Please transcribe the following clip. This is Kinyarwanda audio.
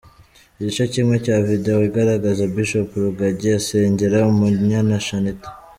Igice kimwe cya video igaragaza Bishop Rugagi asengera Umunyana Shanitah.